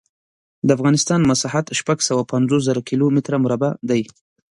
د افغانستان مسحت شپږ سوه پنځوس زره کیلو متره مربع دی.